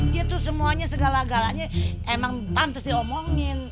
dia tuh semuanya segala galanya emang pantas diomongin